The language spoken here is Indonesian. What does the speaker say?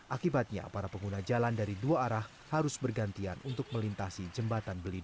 akibatnya para pengguna jalan dari dua arah harus bergantian untuk melintasi jembatan beli